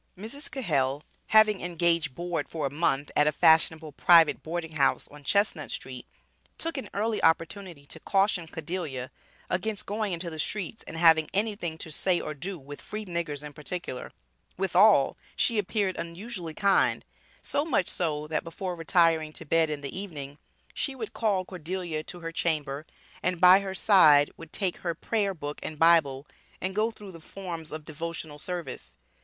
Mrs. Cahell, having engaged board for a month at a fashionable private boarding house on Chestnut street, took an early opportunity to caution Cordelia against going into the streets, and against having anything to say or do with "free niggers in particular"; withal, she appeared unusually kind, so much so, that before retiring to bed in the evening, she would call Cordelia to her chamber, and by her side would take her Prayer book and Bible, and go through the forms of devotional service.